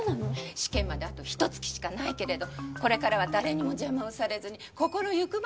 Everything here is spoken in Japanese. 試験まであとひと月しかないけれどこれからは誰にも邪魔をされずに心行くまでお勉強出来ます。